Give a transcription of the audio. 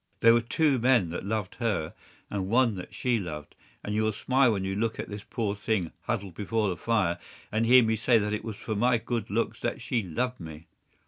There were two men that loved her, and one that she loved, and you'll smile when you look at this poor thing huddled before the fire, and hear me say that it was for my good looks that she loved me.